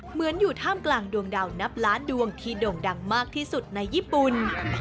เหมือนอยู่ท่ามกลางดวงดาวนับล้านดวงที่โด่งดังมากที่สุดในญี่ปุ่น